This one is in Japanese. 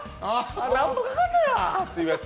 なんぼかかんねや！っていうやつ。